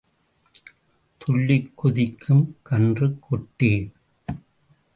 துள்ளிக் குதிக்கும் கன்றுக் குட்டி.